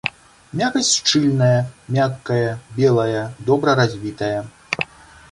Мякаць шчыльная, мяккая, белая, добра развітая.